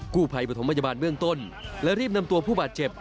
กู้ไภปฐมพยาบาลเมืองต้นและรีบนำตัวผู้บาดเจ็บ